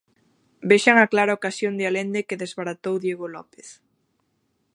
Vexan a clara ocasión de Alende que desbaratou Diego López.